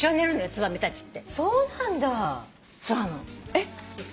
えっ？